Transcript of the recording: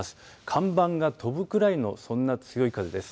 看板が飛ぶくらいのそんな強い風です。